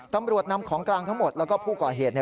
ตำรวจนำของกลางทั้งหมดแล้วก็ผู้ก่อเหตุ